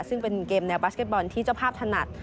ซึ่งเป็นเกมแนวบาสเก็ตบอลที่เจ้าภาพถนัด